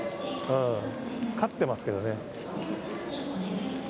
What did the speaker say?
勝ってますけどね。